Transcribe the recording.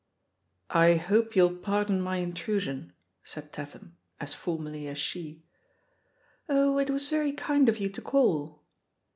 "I hope you'll pardon my intrusion," said Tat ham, as formally as she. Oh, it was very kind of you to call."